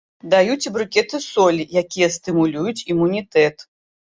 Даюць і брыкеты солі, якія стымулююць імунітэт.